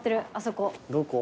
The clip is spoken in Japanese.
どこ？